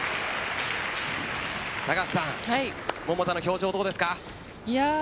高橋さん桃田の表情どうですか？